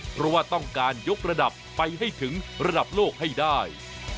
เพราะว่าต้องการยกระดับไปให้ถึงระดับโลกให้ได้